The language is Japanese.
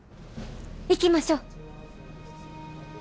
行きましょう。